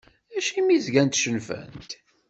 Acimi zgant cennfent?